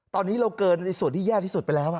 ตอนนี้เราเกินในส่วนที่แย่ที่สุดไปแล้ว